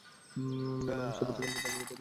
Ma'am, সে প্রতি ঘন্টায় দাবি তৈরি করছে।